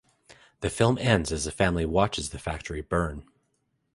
The film ends as the family watches the factory burn.